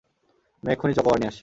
আমি এক্ষুণি চকোবার নিয়ে আসছি।